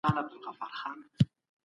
دا ميتود تر هغه بل غوره دی.